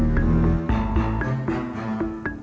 kan jangan sampai ada pengakuan